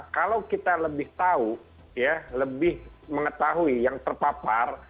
kalau kita lebih tahu ya lebih mengetahui yang terpapar